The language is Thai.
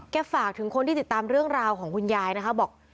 ฝากถึงคนที่ติดตามเรื่องราวของคุณยายนะคะบอก